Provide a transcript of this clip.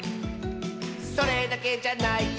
「それだけじゃないよ」